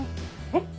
えっ？